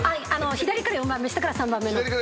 左から４番目下から３番目の。